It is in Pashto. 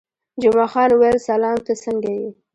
جمعه خان وویل: سلام، ته څنګه یې؟